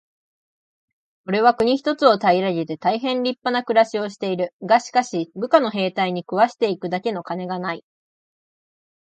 「おれは国一つを平げて大へん立派な暮しをしている。がしかし、部下の兵隊に食わして行くだけの金がない。」